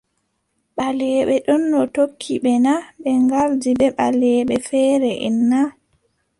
Ɓaleeɓe ɗono tokki ɓe na, ɓe ngardi ɓe ɓaleeɓe feereʼen na ?